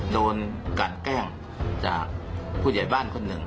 โดนกันแกล้งจากผู้ใหญ่บ้านคนหนึ่ง